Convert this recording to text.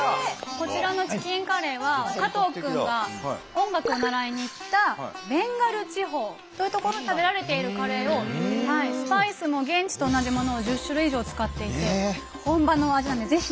こちらのチキンカレーは加藤君が音楽を習いに行ったベンガル地方という所で食べられているカレーをスパイスも現地と同じものを１０種類以上使っていて本場の味なのでぜひ食べてください。